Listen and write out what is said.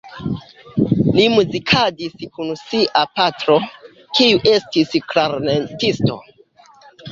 Li muzikadis kun sia patro, kiu estis klarnetisto.